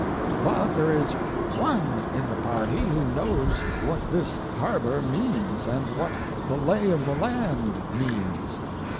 But there is one in the party who knows what this harbor means and what the lay of the land means.